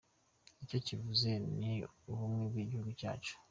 Icyo kivuze ni ubumwe bw’igihugu cyacu.